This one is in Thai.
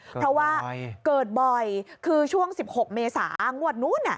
เพราะว่าเกิดบ่อยคือช่วง๑๖เมษางวดนู้น